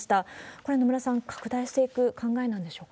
これは野村さん、拡大していく考えなんでしょうか？